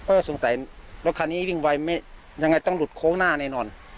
สงสัยรถคันนี้วิ่งไวยังไงต้องหลุดโค้งหน้าแน่นอน